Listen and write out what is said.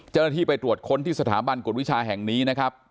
เจ้าหน้าที่ไปตรวจค้นที่สถาบันกฎวิชาแห่งนี้นะครับ